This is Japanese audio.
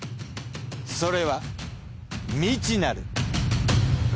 それは未知なる。